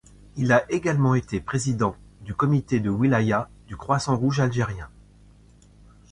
Il a également été président du Comité de Wilaya du Croissant Rouge Algérien.